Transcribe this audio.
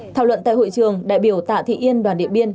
thảo luận tại hội trường đại biểu tạ thị yên đoàn điện biên